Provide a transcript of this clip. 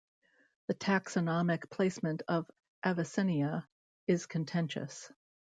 The taxonomic placement of "Avicennia" is contentious.